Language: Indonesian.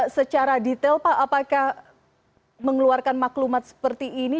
secara detail pak apakah mengeluarkan maklumat seperti ini